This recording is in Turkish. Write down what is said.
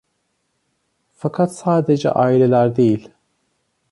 Fakat sadece aileler değil.